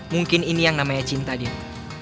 mungkin ini yang namanya cinta dia